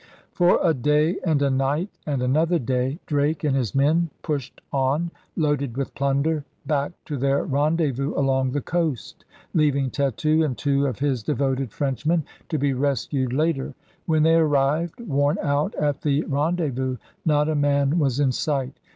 For a day and a night and another day Drake and his men pushed on, loaded with plunder, back to their rendezvous along the coast, leaving Tetu and two of his devoted Frenchmen to be rescued later. When they arrived, worn out, at the ren dezvous, not a man was in sight.